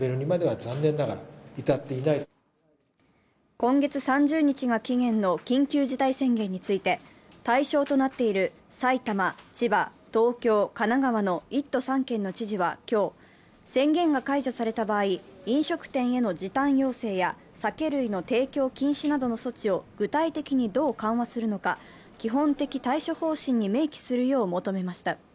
今月３０日が期限の緊急事態宣言について、対象となっている埼玉、千葉、東京、神奈川の１都３県の知事は今日宣言が解除された場合、飲食店への時短要請や酒類の提供禁止などの措置を具体的にどう緩和するのか基本的対処方針に明記するよう求めました。